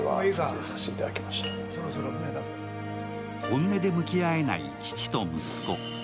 本音で向き合えない父と息子。